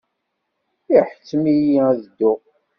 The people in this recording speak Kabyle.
Iḥettem-iyi ad dduɣ.